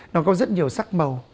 nó có rất nhiều sắc màu